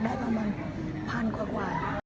ได้ประมาณ๑๐๐๐กว่า